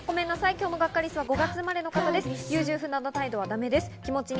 今日のガッカりすは５月生まれの方です。